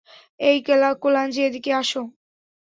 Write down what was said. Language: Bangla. এই কোলাঞ্জি, এদিকে এসো।